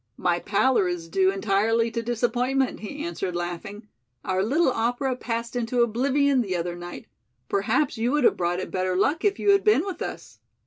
"My pallor is due entirely to disappointment," he answered laughing, "our little opera passed into oblivion the other night. Perhaps you would have brought it better luck if you had been with us."